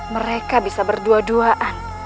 mereka bisa berdua duaan